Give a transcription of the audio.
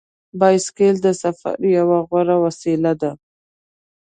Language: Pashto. بایسکل د سفر یوه غوره وسیله ده.